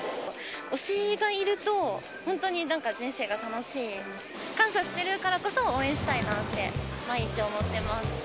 推しがいると、本当になんか人生が楽しい。感謝しているからこそ、応援したいなって、毎日思っています。